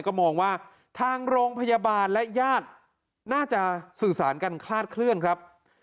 ก็มองว่าทางโรงพยาบาลและญาติน่าจะสื่อสารกันคลาดเคลื่อนครับ